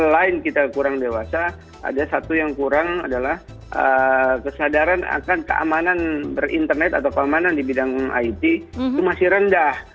selain kita kurang dewasa ada satu yang kurang adalah kesadaran akan keamanan berinternet atau keamanan di bidang it itu masih rendah